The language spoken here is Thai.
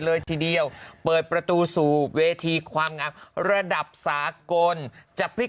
เลยทีเดียวเปิดประตูสู่เวทีความงามระดับสากลจะพลิก